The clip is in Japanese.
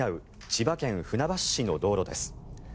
千葉県船橋市の道路です。